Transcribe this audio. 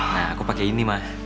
nah aku pakai ini mah